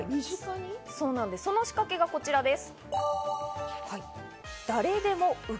その仕掛けがこちらです。